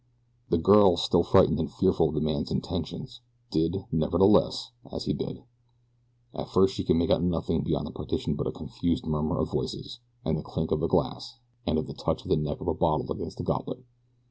The girl, still frightened and fearful of the man's intentions, did, nevertheless, as he bid. At first she could make out nothing beyond the partition but a confused murmur of voices, and the clink of glass, as of the touch of the neck of a bottle against a goblet.